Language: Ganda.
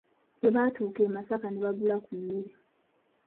Bwe baatuuka e Masaka ne bagula ku mmere